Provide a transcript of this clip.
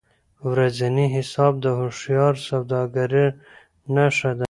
ورځنی حساب د هوښیار سوداګر نښه ده.